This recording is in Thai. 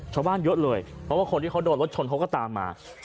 เยอะเลยเพราะว่าคนที่เขาโดนรถชนเขาก็ตามมา